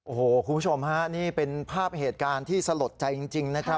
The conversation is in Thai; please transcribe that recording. โอ้โหคุณผู้ชมฮะนี่เป็นภาพเหตุการณ์ที่สลดใจจริงนะครับ